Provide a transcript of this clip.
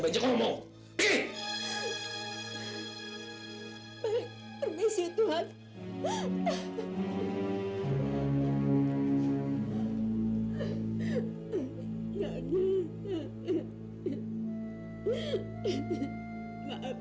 kita semua dituntut untuk berpikir